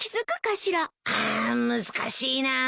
ああ難しいな。